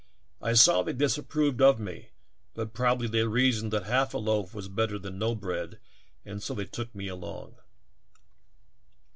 I saw they disapproved of me but probabl}^ they reasoned that half a loaf was better than no bread and so they took me along.